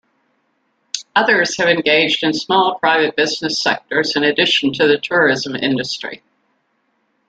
Others have engaged in small private business sectors, in addition to the tourism industry.